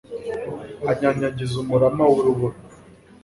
anyanyagiza umurama w'urubura